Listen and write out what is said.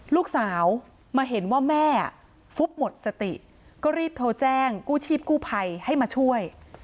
ลูกสาวมาเห็นว่าแม่ฟุบหมดสติก็รีบโทรแจ้งกู้ชีพกู้ภัยให้มาช่วย